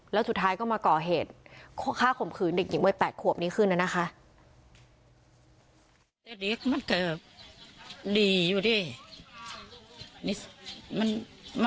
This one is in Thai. แล้วสุดท้ายก็มาก่อเหตุฆ่าข่มขืนเด็กหญิงวัย๘ขวบนี้ขึ้นน่ะนะคะ